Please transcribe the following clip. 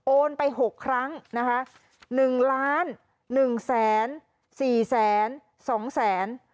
โอนไป๖ครั้งนะคะ๑ล้าน๑แสน๔แสน๒แสน